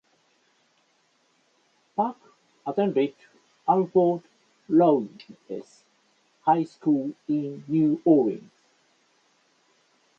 Pack attended Alfred Lawless High School in New Orleans.